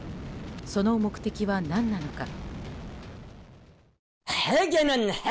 その目的は何なのか。